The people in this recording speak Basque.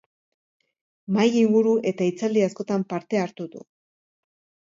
Mahai-inguru eta hitzaldi askotan parte hartu du.